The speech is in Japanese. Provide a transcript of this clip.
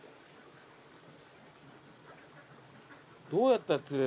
どうやったら釣れるんだ？